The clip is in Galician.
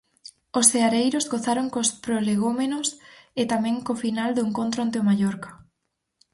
Os seareiros gozaron cos prolegómenos e tamén co final do encontro ante o Mallorca.